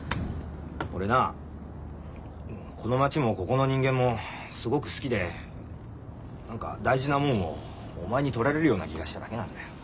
俺なこの町もここの人間もすごく好きで何か大事なもんをお前にとられるような気がしただけなんだよ。